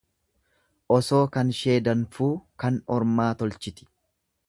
Osoo kanshee danfuu kan ormaa tolchiti.